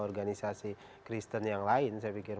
organisasi kristen yang lain saya pikir